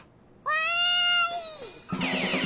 わい！